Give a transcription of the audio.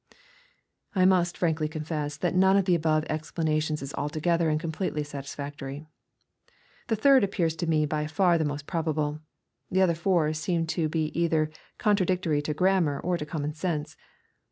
I must frankly confess that none of the above explanations is altogether and completely satisfactory. The third appears to me by far the most probable. The other four seem to be either con tradictory to grammar or to common sense.